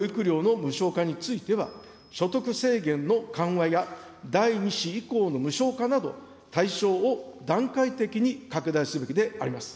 さらに０、２歳児の保育料の無償化については、所得制限の緩和や、第２子以降の無償化など、対象を段階的に拡大すべきであります。